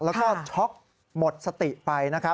แล้วก็ช็อกหมดสติไป